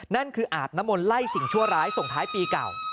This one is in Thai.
นั่นคืออาบน้ำมนต์ไล่สิ่งชั่วร้ายส่งท้ายปีเก่า